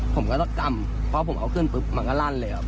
ผมก็ต้องจำพอผมเอาขึ้นปุ๊บมันก็ลั่นเลยครับ